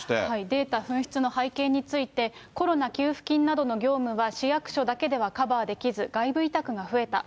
データ紛失の背景について、コロナ給付金などの業務は市役所だけではカバーできず、外部委託が増えた。